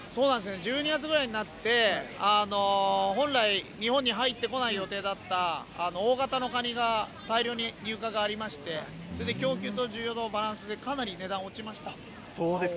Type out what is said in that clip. １２月ぐらいになって、本来、日本に入ってこない予定だった大型のカニが、大量に入荷がありまして、それで供給と需要のバランスそうですか。